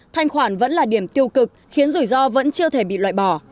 thanh khoản vẫn là điểm tiêu cực khiến rủi ro vẫn chưa thể bị loại bỏ